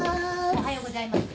おはようございます。